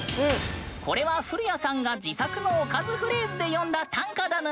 これは古谷さんが自作のおかずフレーズで詠んだ短歌だぬ！